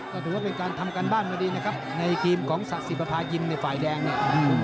ก็ถือว่าเป็นการทำการบ้านมาดีนะครับในทีมของสะสิประพายินในฝ่ายแดงเนี่ย